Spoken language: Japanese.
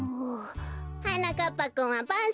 はなかっぱくんはばん